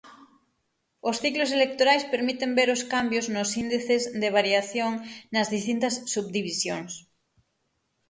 Os ciclos electorais permiten ver os cambios nos índices de variación nas distintas subdivisións.